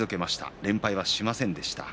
連敗しませんでした。